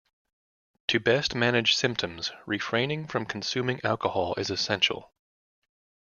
To best manage symptoms, refraining from consuming alcohol is essential.